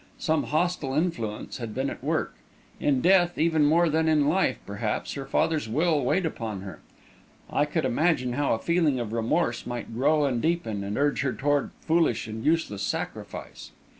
Some hostile influence had been at work; in death, even more than in life, perhaps, her father's will weighed upon her. I could imagine how a feeling of remorse might grow and deepen, and urge her toward foolish and useless sacrifice.